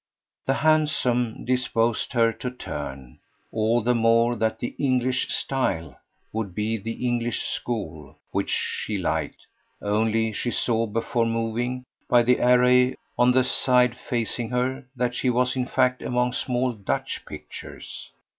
The "handsome" disposed her to turn all the more that the "English style" would be the English school, which she liked; only she saw, before moving, by the array on the side facing her, that she was in fact among small Dutch pictures.